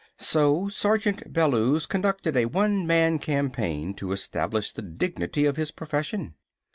So Sergeant Bellews conducted a one man campaign to establish the dignity of his profession.